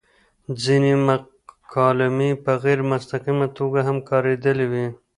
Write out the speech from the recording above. ځينې مکالمې په غېر مستقيمه توګه هم کاريدلي وې